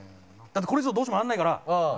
だってこれ以上どうしても上がらないから。